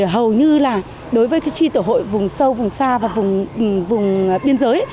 hầu như là đối với tri tổ hội vùng sâu vùng xa và vùng biên giới